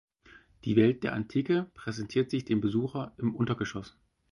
Die Welt der Antike präsentiert sich dem Besucher im Untergeschoss.